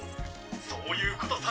そういうことさ。